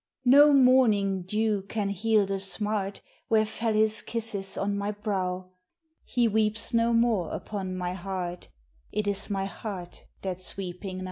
No morning dew can heal the smart Where fell his kisses on my brow ; He weeps no more upon my heart It is my heart that's weeping now.